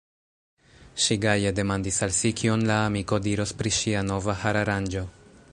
Ŝi gaje demandis al si, kion la amiko diros pri ŝia nova hararanĝo.